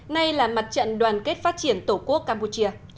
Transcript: nay là mặt trận đoàn kết phát triển tổ quốc campuchia